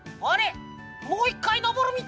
もう１かいのぼるみたい！